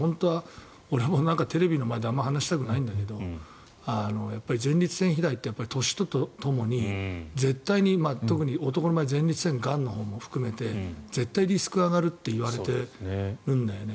俺もあまりテレビの前で話したくないんだけどやっぱり前立腺肥大って年とともに絶対に特に男の場合前立腺がんのほうも含めて絶対にリスクが上がるって言われているんだよね。